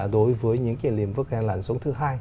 đối với những cái lĩnh vực là lãnh sống thứ hai